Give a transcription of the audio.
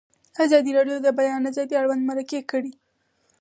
ازادي راډیو د د بیان آزادي اړوند مرکې کړي.